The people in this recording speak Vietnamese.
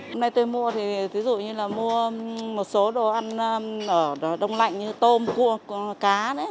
hôm nay tôi mua thì ví dụ như là mua một số đồ ăn ở đông lạnh như tôm cua cá đấy